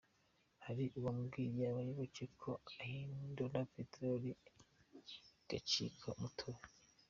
Hari uwabwiye abayoboke ko ahindura peterori igacika umutobe.